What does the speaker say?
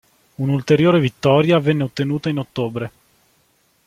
Un'ulteriore vittoria venne ottenuta in ottobre.